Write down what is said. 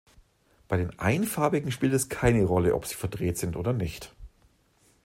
Bei den Einfarbigen spielt es keine Rolle, ob sie verdreht sind oder nicht.